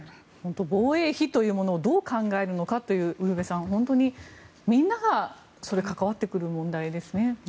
防衛費というものをどう考えるのかというウルヴェさん、本当にみんなが関わってくる問題ですね。